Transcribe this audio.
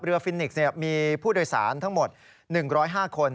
ฟินิกส์มีผู้โดยสารทั้งหมด๑๐๕คน